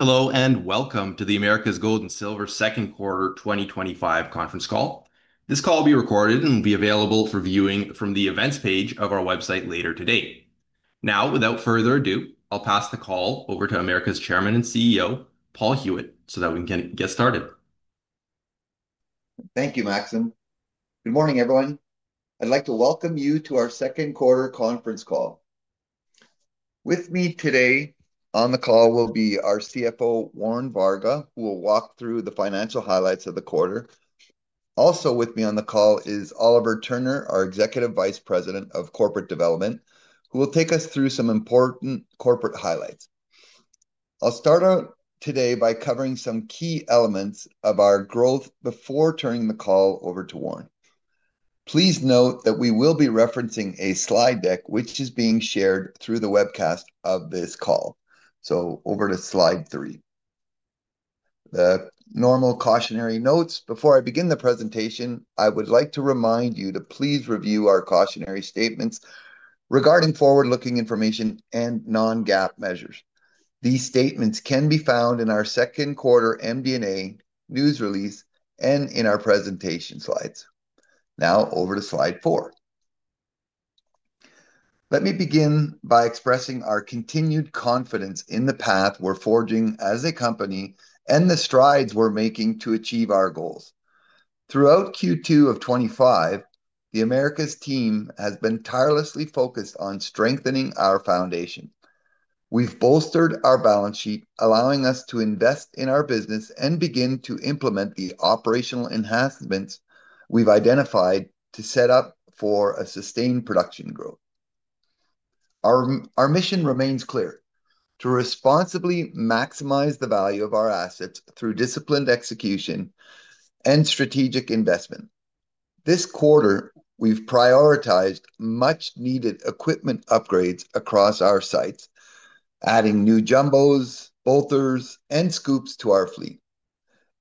Hello and welcome to the Americas Gold and Silver Second Quarter 2025 Conference Call. This call will be recorded and will be available for viewing from the events page of our website later today. Now, without further ado, I'll pass the call over to Americas Chairman and CEO, Paul Huet, so that we can get started. Thank you, Maxim. Good morning, everyone. I'd like to welcome you to our second quarter conference call. With me today on the call will be our CFO, Warren Varga, who will walk through the financial highlights of the quarter. Also with me on the call is Oliver Turner, our Executive Vice President of Corporate Development, who will take us through some important corporate highlights. I'll start out today by covering some key elements of our growth before turning the call over to Warren. Please note that we will be referencing a slide deck which is being shared through the webcast of this call. Over to slide three. The normal cautionary notes. Before I begin the presentation, I would like to remind you to please review our cautionary statements regarding forward-looking information and non-GAAP measures. These statements can be found in our second quarter MD&A news release and in our presentation slides. Now, over to slide four. Let me begin by expressing our continued confidence in the path we're forging as a company and the strides we're making to achieve our goals. Throughout Q2 of 2025, the Americas team has been tirelessly focused on strengthening our foundation. We've bolstered our balance sheet, allowing us to invest in our business and begin to implement the operational enhancements we've identified to set up for sustained production growth. Our mission remains clear: to responsibly maximize the value of our assets through disciplined execution and strategic investment. This quarter, we've prioritized much-needed equipment upgrades across our sites, adding new jumbos, bolters, and scoops to our fleet.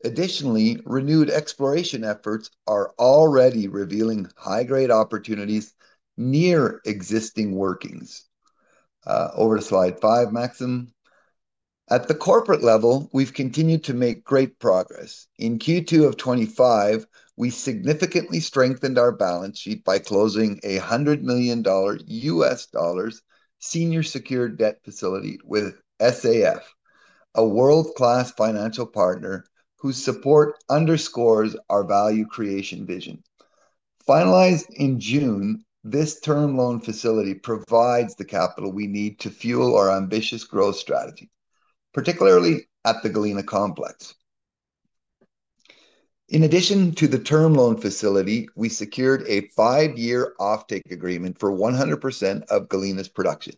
Additionally, renewed exploration efforts are already revealing high-grade opportunities near existing workings. Over to slide five, Maxim. At the corporate level, we've continued to make great progress. In Q2 of 2025, we significantly strengthened our balance sheet by closing a $100 million senior secured debt facility with SAF, a world-class financial partner whose support underscores our value creation vision. Finalized in June, this term loan facility provides the capital we need to fuel our ambitious growth strategy, particularly at the Galena Complex. In addition to the term loan facility, we secured a five-year offtake agreement for 100% of Galena's production.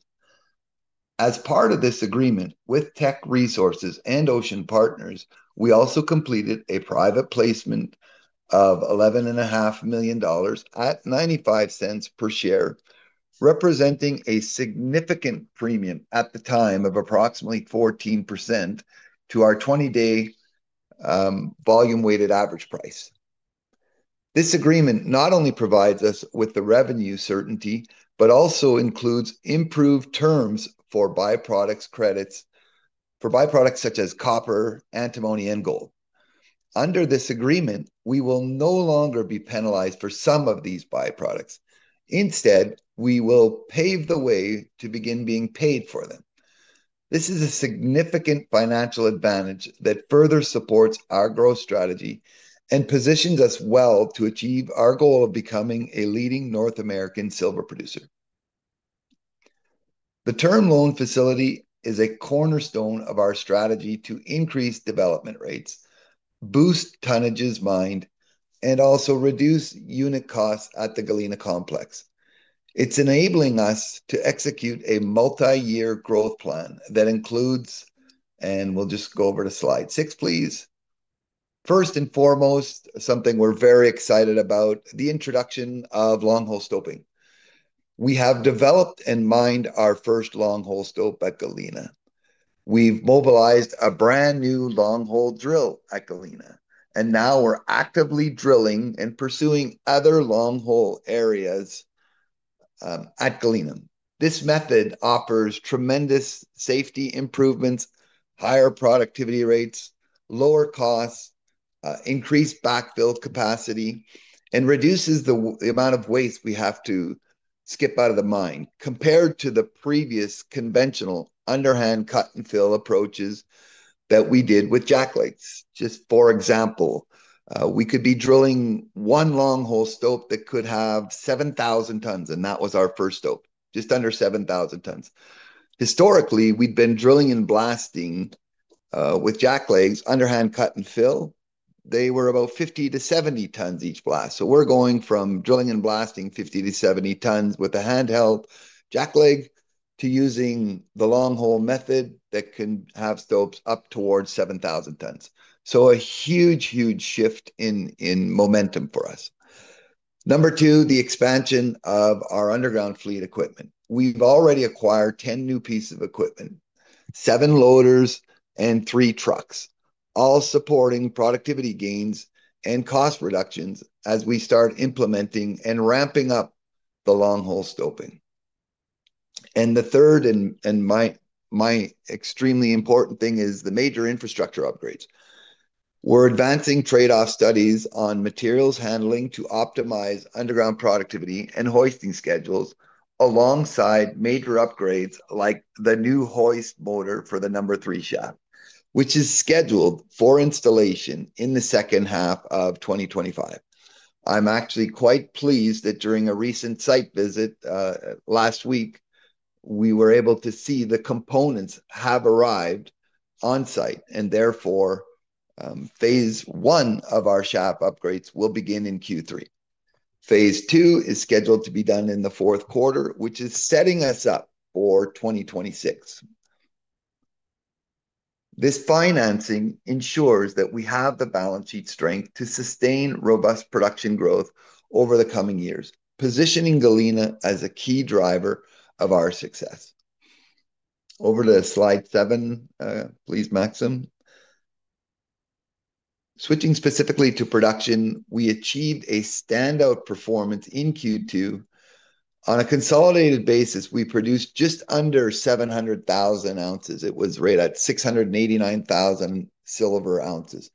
As part of this agreement with Teck Resources and Ocean Partners, we also completed a private placement of $11.5 million at $0.95 per share, representing a significant premium at the time of approximately 14% to our 20-day volume-weighted average price. This agreement not only provides us with the revenue certainty, but also includes improved terms for byproducts such as copper, antimony, and gold. Under this agreement, we will no longer be penalized for some of these byproducts. Instead, we will pave the way to begin being paid for them. This is a significant financial advantage that further supports our growth strategy and positions us well to achieve our goal of becoming a leading North American silver producer. The term loan facility is a cornerstone of our strategy to increase development rates, boost tonnage mined, and also reduce unit costs at the Galena Complex. It's enabling us to execute a multi-year growth plan that includes, and we'll just go over to slide six, please. First and foremost, something we're very excited about, the introduction of long hole stoping. We have developed and mined our first long hole stope at Galena. We've mobilized a brand new long hole drill at Galena, and now we're actively drilling and pursuing other long hole areas at Galena. This method offers tremendous safety improvements, higher productivity rates, lower costs, increased backfill capacity, and reduces the amount of waste we have to skip out of the mine compared to the previous conventional underhand cut and fill approaches that we did with jacklegs. Just for example, we could be drilling one long hole stope that could have 7,000 tons, and that was our first stope, just under 7,000 tons. Historically, we'd been drilling and blasting with jacklegs underhand cut and fill. They were about 50 tons-70 tons each blast. We're going from drilling and blasting 50 tons-70 tons with a handheld jackleg to using the long hole method that can have stopes up towards 7,000 tons. A huge, huge shift in momentum for us. Number two, the expansion of our underground fleet equipment. We've already acquired 10 new pieces of equipment, seven loaders, and three trucks, all supporting productivity gains and cost reductions as we start implementing and ramping up the long hole stoping. The third, and my extremely important thing, is the major infrastructure upgrades. We're advancing trade-off studies on materials handling to optimize underground productivity and hoisting schedules alongside major upgrades like the new hoist motor for the #3 Shaft, which is scheduled for installation in the second half of 2025. I'm actually quite pleased that during a recent site visit last week, we were able to see the components have arrived on site, and therefore, phase I of our shaft upgrades will begin in Q3. Phase II is scheduled to be done in the fourth quarter, which is setting us up for 2026. This financing ensures that we have the balance sheet strength to sustain robust production growth over the coming years, positioning Galena as a key driver of our success. Over to slide seven, please, Maxim. Switching specifically to production, we achieved a standout performance in Q2. On a consolidated basis, we produced just under 700,000 ounces. It was rated at 689,000 silver ounces,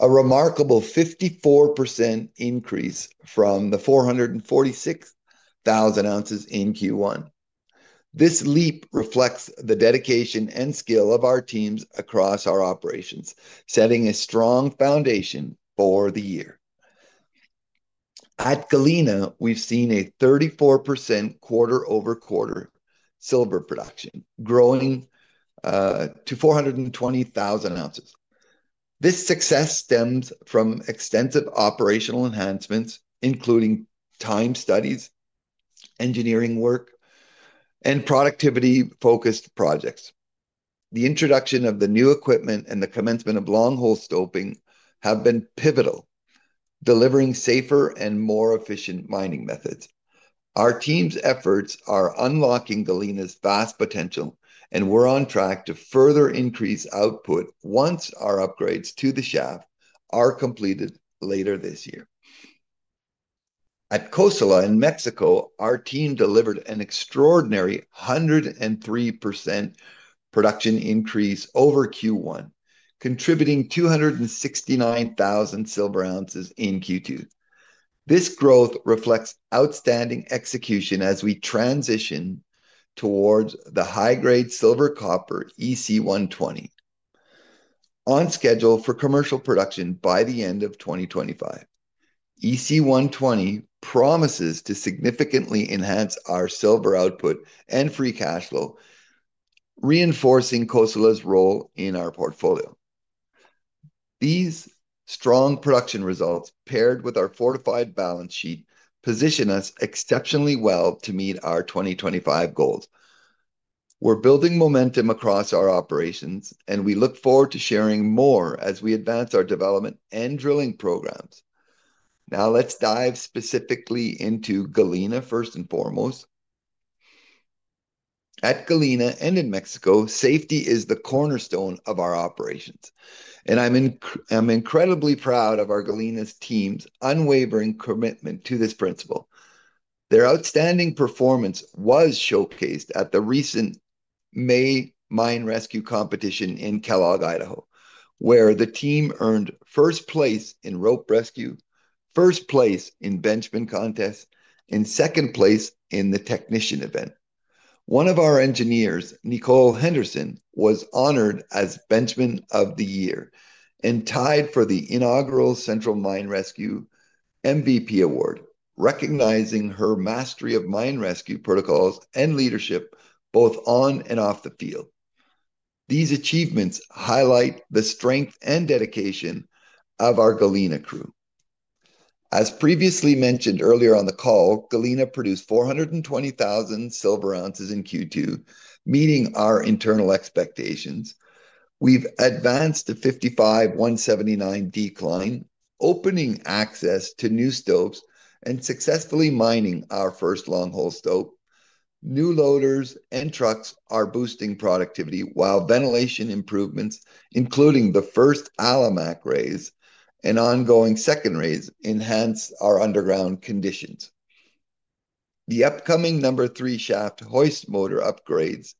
a remarkable 54% increase from the 446,000 ounces in Q1. This leap reflects the dedication and skill of our teams across our operations, setting a strong foundation for the year. At Galena, we've seen a 34% quarter-over-quarter silver production growing to 420,000 ounces. This success stems from extensive operational enhancements, including time studies, engineering work, and productivity-focused projects. The introduction of the new equipment and the commencement of long hole stoping have been pivotal, delivering safer and more efficient mining methods. Our team's efforts are unlocking Galena's vast potential, and we're on track to further increase output once our upgrades to the shaft are completed later this year. At Cosalá in Mexico, our team delivered an extraordinary 103% production increase over Q1, contributing 269,000 silver ounces in Q2. This growth reflects outstanding execution as we transition towards the high-grade silver copper EC120 on schedule for commercial production by the end of 2025. EC120 promises to significantly enhance our silver output and free cash flow, reinforcing Cosalá's role in our portfolio. These strong production results, paired with our fortified balance sheet, position us exceptionally well to meet our 2025 goals. We're building momentum across our operations, and we look forward to sharing more as we advance our development and drilling programs. Now, let's dive specifically into Galena, first and foremost. At Galena and in Mexico, safety is the cornerstone of our operations, and I'm incredibly proud of our Galena team's unwavering commitment to this principle. Their outstanding performance was showcased at the recent May Mine Rescue Competition in Kellogg, Idaho, where the team earned first place in rope rescue, first place in benchman contests, and second place in the technician event. One of our engineers, Nicole Henderson, was honored as Benchman of the Year and tied for the Inaugural Central Mine Rescue MVP Award, recognizing her mastery of mine rescue protocols and leadership both on and off the field. These achievements highlight the strength and dedication of our Galena crew. As previously mentioned earlier on the call, Galena produced 420,000 silver ounces in Q2, meeting our internal expectations. We've advanced to 55.179 decline, opening access to new scopes and successfully mining our first long hole scope. New loaders and trucks are boosting productivity, while ventilation improvements, including the first Alimak raises and ongoing second raises, enhance our underground conditions. The upcoming #3 Shaft hoist motor upgrades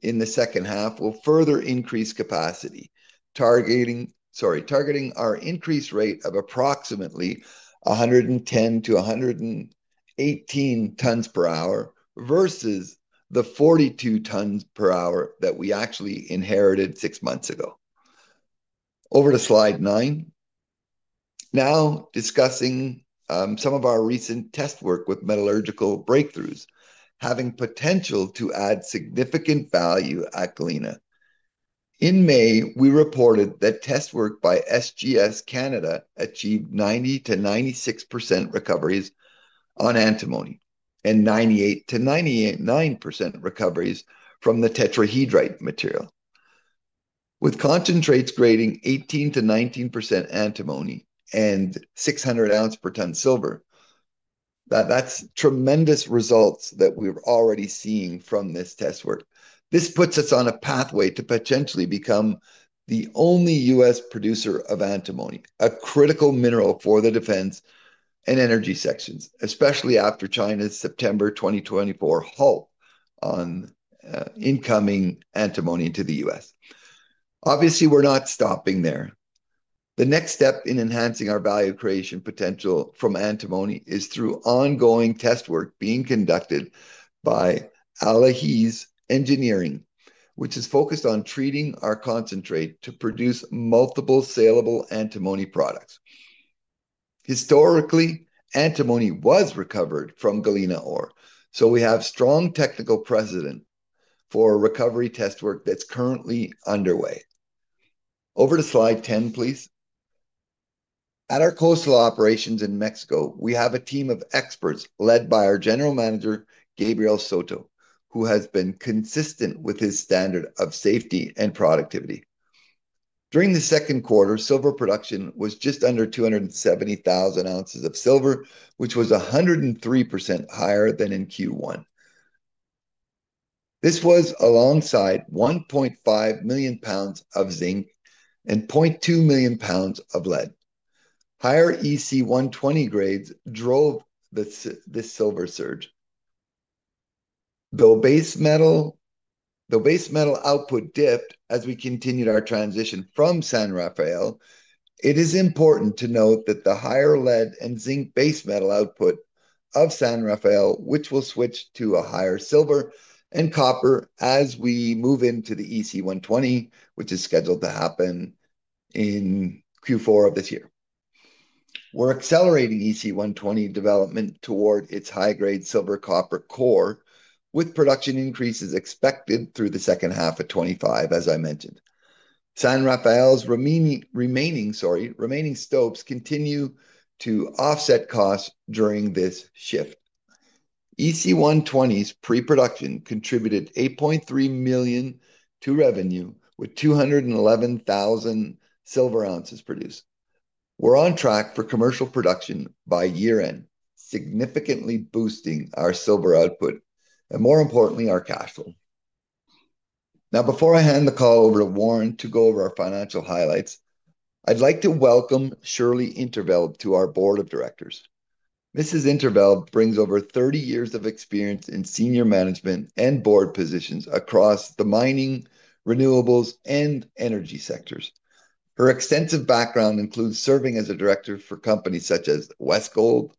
in the second half will further increase capacity, targeting our increased rate of approximately 110 tons-118 tons per hour versus the 42 tons per hour that we actually inherited six months ago. Over to slide nine. Now discussing some of our recent test work with metallurgical breakthroughs, having potential to add significant value at Galena. In May, we reported that test work by SGS Canada achieved 90%-96% recoveries on antimony and 98%-99% recoveries from the tetrahedrite material. With concentrates grading 18%-19% antimony and 600 ounce per ton silver, that's tremendous results that we're already seeing from this test work. This puts us on a pathway to potentially become the only U.S. producer of antimony, a critical mineral for the defense and energy sectors, especially after China's September 2024 halt on incoming antimony into the U.S. Obviously, we're not stopping there. The next step in enhancing our value creation potential from antimony is through ongoing test work being conducted by Allihies Engineering, which is focused on treating our concentrate to produce multiple saleable antimony products. Historically, antimony was recovered from Galena ore, so we have strong technical precedent for recovery test work that's currently underway. Over to slide 10, please. At our Cosalá Operations in Mexico, we have a team of experts led by our General Manager, Gabriel Soto, who has been consistent with his standard of safety and productivity. During the second quarter, silver production was just under 270,000 ounces of silver, which was 103% higher than in Q1. This was alongside 1.5 million lbs of zinc and 0.2 million lbs of lead. Higher EC120 grades drove this silver surge. Though base metal output dipped as we continued our transition from San Rafael, it is important to note that the higher lead and zinc base metal output of San Rafael, which will switch to a higher silver and copper as we move into the EC120, which is scheduled to happen in Q4 of this year. We're accelerating EC120 development toward its high-grade silver copper core with production increases expected through the second half of 2025, as I mentioned. San Rafael's remaining scopes continue to offset costs during this shift. EC120's pre-production contributed $8.3 million to revenue with 211,000 silver ounces produced. We're on track for commercial production by year-end, significantly boosting our silver output and, more importantly, our cash flow. Now, before I hand the call over to Warren to go over our financial highlights, I'd like to welcome Shirley In't Veld to our Board of Directors. Mrs. In't Veld brings over 30 years of experience in senior management and board positions across the mining, renewables, and energy sectors. Her extensive background includes serving as a director for companies such as Westgold,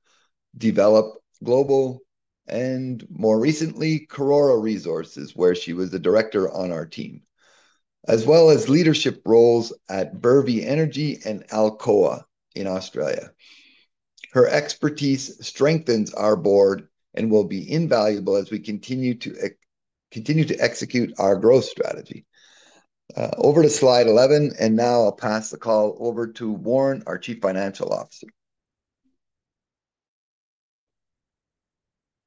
Develop Global, and more recently, Karora Resources, where she was a director on our team, as well as leadership roles at Buru Energy and Alcoa in Australia. Her expertise strengthens our board and will be invaluable as we continue to execute our growth strategy. Over to slide 11, and now I'll pass the call over to Warren, our Chief Financial Officer.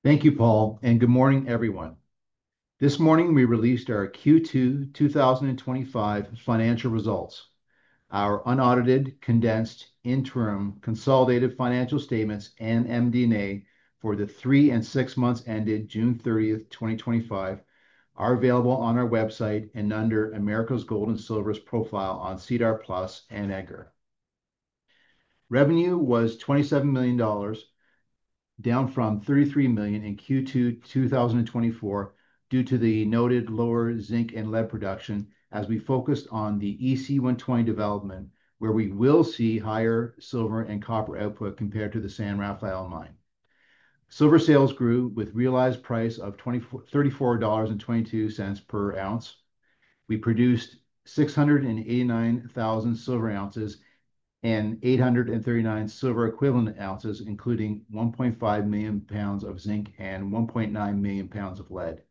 Thank you, Paul, and good morning, everyone. This morning, we released our Q2 2025 financial results. Our unaudited, condensed interim consolidated financial statements and MD&A for the three and six months ended June 30th, 2025, are available on our website and under Americas Gold and Silver Corporation's profile on SEDAR+ and EDGAR. Revenue was $27 million, down from $33 million in Q2 2024 due to the noted lower zinc and lead production as we focused on the EC120 development, where we will see higher silver and copper output compared to the San Rafael mine. Silver sales grew with a realized price of $34.22 per ounce. We produced 689,000 silver ounces and 839,000 silver equivalent ounces, including 1.5 million lbs of zinc and 1.9 million lbs of lead.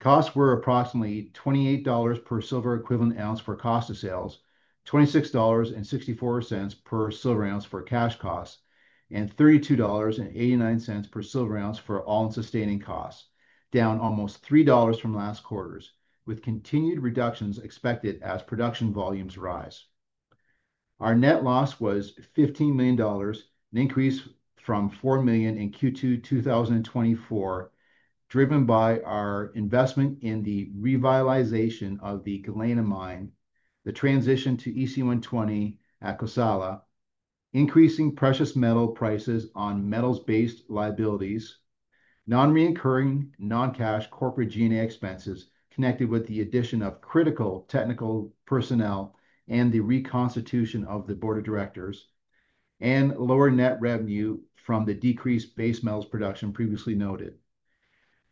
Costs were approximately $28 per silver equivalent ounce for cost of sales, $26.64 per silver ounce for cash costs, and $32.89 per silver ounce for all-in sustaining costs, down almost $3 from last quarter's, with continued reductions expected as production volumes rise. Our net loss was $15 million, an increase from $4 million in Q2 2024, driven by our investment in the revitalization of the Galena mine, the transition to EC120 at Cosalá, increasing precious metal prices on metals-based liabilities, non-recurring non-cash corporate G&A expenses connected with the addition of critical technical personnel and the reconstitution of the Board of Directors, and lower net revenue from the decreased base metals production previously noted.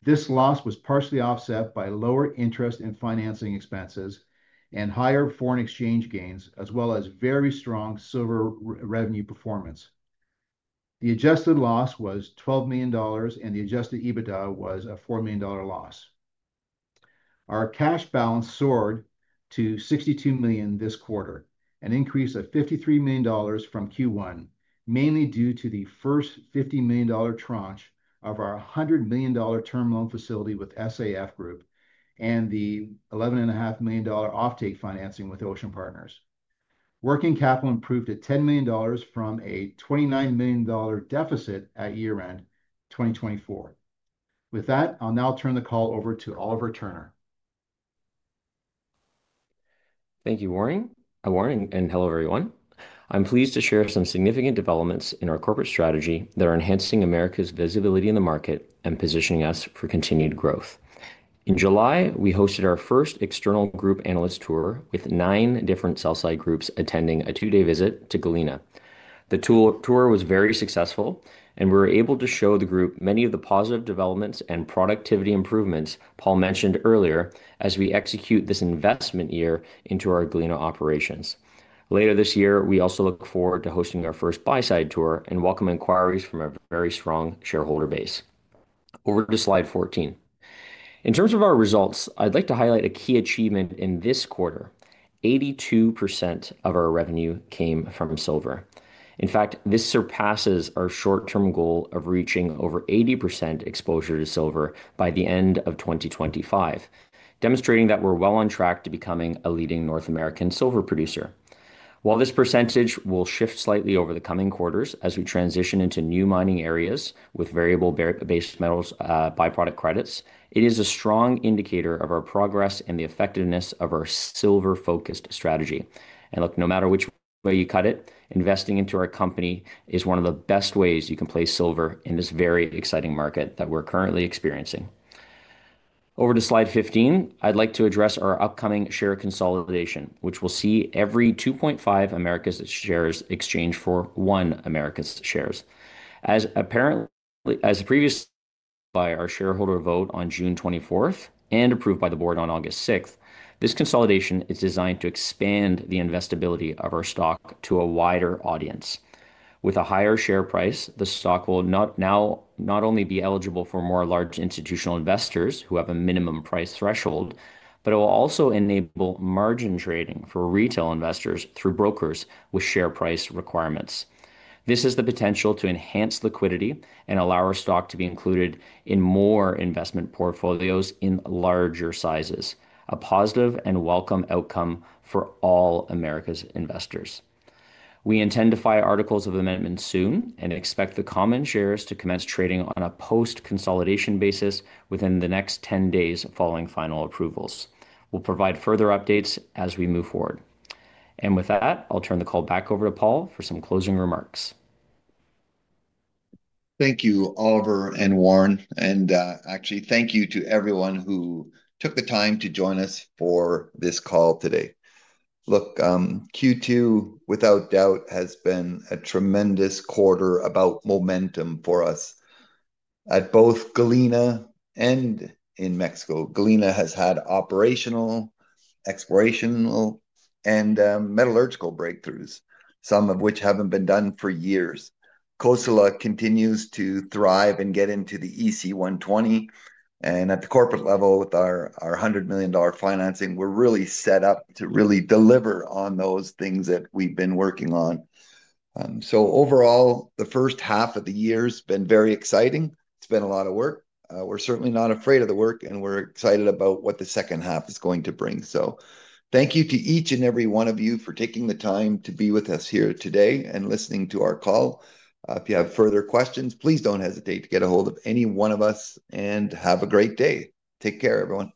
This loss was partially offset by lower interest and financing expenses and higher foreign exchange gains, as well as very strong silver revenue performance. The adjusted loss was $12 million, and the adjusted EBITDA was a $4 million loss. Our cash balance soared to $62 million this quarter, an increase of $53 million from Q1, mainly due to the first $50 million tranche of our $100 million term loan facility with SAF Group and the $11.5 million offtake financing with Ocean Partners. Working capital improved at $10 million from a $29 million deficit at year-end 2024. With that, I'll now turn the call over to Oliver Turner. Thank you, Warren. Hello everyone. I'm pleased to share some significant developments in our corporate strategy that are enhancing Americas' visibility in the market and positioning us for continued growth. In July, we hosted our first external group analyst tour with nine different sell-side groups attending a two-day visit to the Galena. The tour was very successful, and we were able to show the group many of the positive developments and productivity improvements Paul mentioned earlier as we execute this investment year into our Galena operations. Later this year, we also look forward to hosting our first buy-side tour and welcome inquiries from a very strong shareholder base. Over to slide 14. In terms of our results, I'd like to highlight a key achievement in this quarter. 82% of our revenue came from silver. In fact, this surpasses our short-term goal of reaching over 80% exposure to silver by the end of 2025, demonstrating that we're well on track to becoming a leading North American silver producer. While this percentage will shift slightly over the coming quarters as we transition into new mining areas with variable base metals byproduct credits, it is a strong indicator of our progress and the effectiveness of our silver-focused strategy. No matter which way you cut it, investing into our company is one of the best ways you can play silver in this very exciting market that we're currently experiencing. Over to slide 15, I'd like to address our upcoming share consolidation, which will see every 2.5 Americas shares exchanged for 1 Americas share. As previously approved by our shareholder vote on June 24th and approved by the board on August 6th, this consolidation is designed to expand the investability of our stock to a wider audience. With a higher share price, the stock will now not only be eligible for more large institutional investors who have a minimum price threshold, but it will also enable margin trading for retail investors through brokers with share price requirements. This has the potential to enhance liquidity and allow our stock to be included in more investment portfolios in larger sizes, a positive and welcome outcome for all Americas investors. We intend to file articles of amendment soon and expect the common shares to commence trading on a post-consolidation basis within the next 10 days following final approvals. We'll provide further updates as we move forward. With that, I'll turn the call back over to Paul for some closing remarks. Thank you, Oliver and Warren, and actually, thank you to everyone who took the time to join us for this call today. Q2, without doubt, has been a tremendous quarter about momentum for us at both Galena and in Mexico. Galena has had operational, explorational, and metallurgical breakthroughs, some of which haven't been done for years. Cosalá continues to thrive and get into the EC120, and at the corporate level, with our $100 million financing, we're really set up to really deliver on those things that we've been working on. Overall, the first half of the year has been very exciting. It's been a lot of work. We're certainly not afraid of the work, and we're excited about what the second half is going to bring. Thank you to each and every one of you for taking the time to be with us here today and listening to our call. If you have further questions, please don't hesitate to get a hold of any one of us, and have a great day. Take care, everyone.